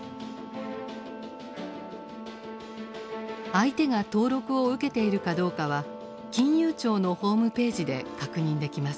相手が登録を受けているかどうかは金融庁のホームページで確認できます。